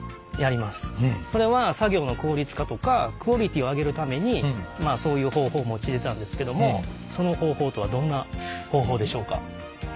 それは作業の効率化とかクオリティーを上げるためにそういう方法を用いてたんですけどもその方法とはどんな方法でしょうか？